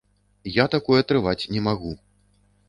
Я такое трываць не магу.